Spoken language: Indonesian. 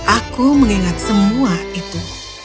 aku mengingat semua itu